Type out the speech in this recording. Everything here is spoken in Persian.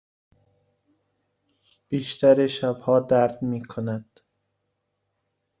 بیشتر شبها درد می کند.